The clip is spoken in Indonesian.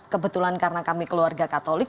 kebetulan karena kami keluarga katolik